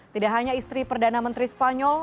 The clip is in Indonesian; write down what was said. tidak hanya istri perdana menteri spanyol